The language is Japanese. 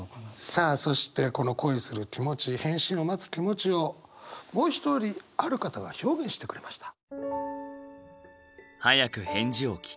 さあそしてこの恋する気持ち返信を待つ気持ちをもう一人ある方が表現してくれました。